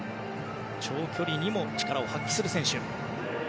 長距離にも力を発揮する選手。